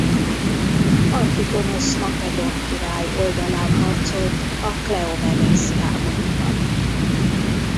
Antigonosz makedón király oldalán harcolt a kleomenészi háborúban.